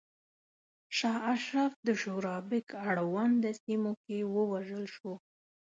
شاه اشرف د شورابک اړونده سیمو کې ووژل شو.